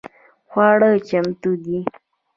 خواړه چمتو دي؟